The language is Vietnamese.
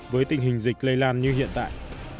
với tình hình dịch lây lan như hiện tại